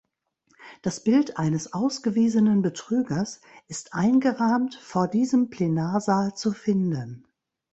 Das Bild eines ausgewiesenen Betrügers ist eingerahmt vor diesem Plenarsaal zu finden.